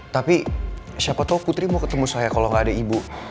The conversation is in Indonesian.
tapi siapa tau putri mau ketemu saya kalau gak ada ibu